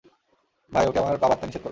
ভাই, ওকে আমার পা বাঁধতে নিষেধ করো।